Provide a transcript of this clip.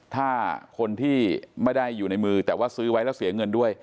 ถ้าคนที่ไม่ได้อยู่ในมือแต่ว่าซื้อไว้แล้วเสียเงินด้วย